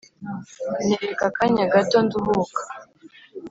ntereka akanya gato nduhuka